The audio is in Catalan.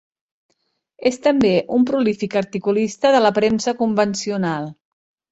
És també un prolífic articulista de la premsa convencional.